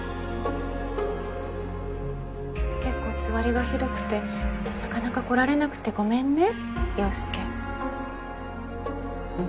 結構つわりがひどくて中々来られなくてごめんね陽佑。